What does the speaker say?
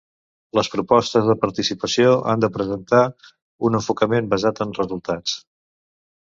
Les propostes de participació han de presentar un enfocament basat en resultats.